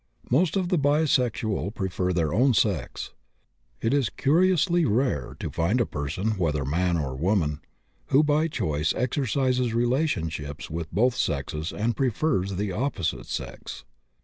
Most of the bisexual prefer their own sex. It is curiously rare to find a person, whether man or woman, who by choice exercises relationships with both sexes and prefers the opposite sex.